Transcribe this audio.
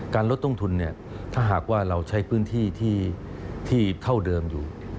ลดต้นทุนถ้าหากว่าเราใช้พื้นที่ที่เท่าเดิมอยู่